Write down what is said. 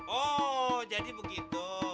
oh jadi begitu